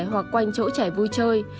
hoặc quanh chỗ trẻ vui chơi